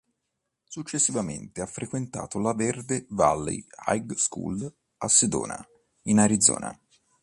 Successivamente ha frequentato la Verde Valley High School a Sedona, in Arizona.